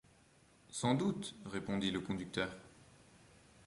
Sans doute, répondit le conducteur.